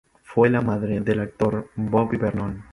Fue la madre del actor Bobby Vernon.